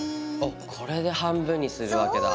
これで半分にするわけだ。